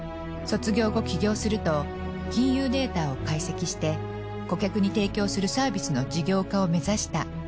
卒業後起業すると金融データを解析して顧客に提供するサービスの事業化を目指した。